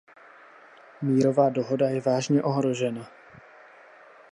Mírová dohoda je vážně ohrožena.